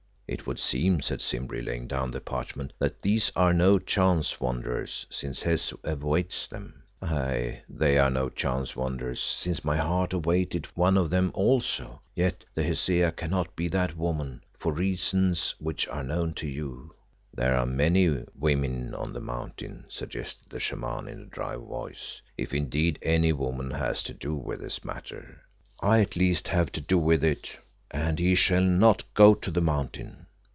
"It would seem," said Simbri, laying down the parchment, "that these are no chance wanderers, since Hes awaits them." "Aye, they are no chance wanderers, since my heart awaited one of them also. Yet the Hesea cannot be that woman, for reasons which are known to you." "There are many women on the Mountain," suggested the Shaman in a dry voice, "if indeed any woman has to do with this matter." "I at least have to do with it, and he shall not go to the Mountain."